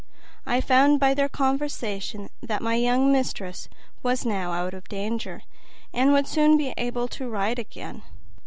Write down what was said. I found by their conversation that my young mistress was now out of danger, and would soon be able to ride again.